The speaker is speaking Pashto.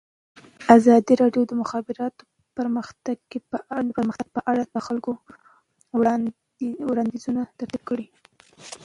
ازادي راډیو د د مخابراتو پرمختګ په اړه د خلکو وړاندیزونه ترتیب کړي.